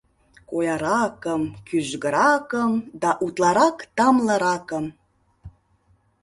Кояракым, кӱжгыракым да утларак тамлыракым.